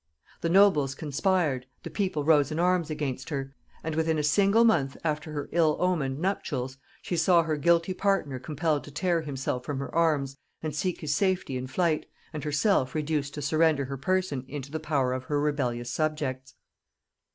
The nobles conspired, the people rose in arms against her; and within a single month after her ill omened nuptials, she saw her guilty partner compelled to tear himself from her arms and seek his safety in flight, and herself reduced to surrender her person into the power of her rebellious subjects.